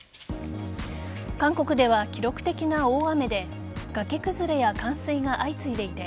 韓国では記録的な大雨で崖崩れや冠水が相次いでいて